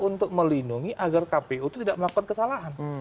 untuk melindungi agar kpu itu tidak melakukan kesalahan